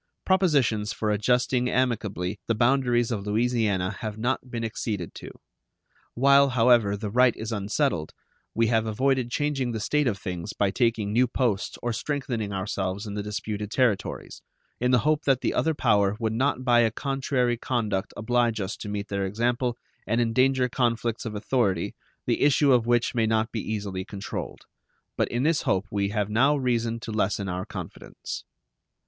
Propositions for adjusting amicably the boundaries of Louisiana have not been acceded to. While, however, the right is unsettled, we have avoided changing the state of things by taking new posts or strengthening ourselves in the disputed territories, in the hope that the other power would not by a contrary conduct oblige us to meet their example and endanger conflicts of authority, the issue of which may not be easily controlled. But in this hope we have now reason to lessen our confidence.